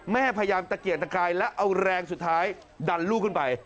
แม่พยายามตะเกียกตะกายและเอาแรงสุดท้ายดันลูกขึ้นไป